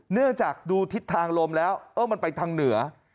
เนื่องจากดูทิศทางลมแล้วมันไปทางเหนือ